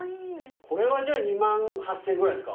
これは２万８，０００円ぐらいっすか？